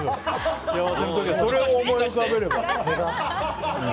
それを思い浮かべれば。